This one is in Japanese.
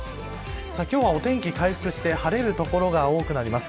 今日はお天気回復して晴れる所が多くなります。